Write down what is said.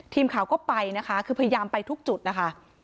ทีมข่าวก็ไปนะคะคือพยายามไปทุกจุดนะคะ